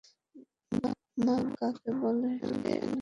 মা কাকে বলে সে আমি জানি।